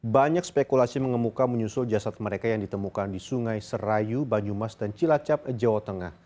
banyak spekulasi mengemuka menyusul jasad mereka yang ditemukan di sungai serayu banyumas dan cilacap jawa tengah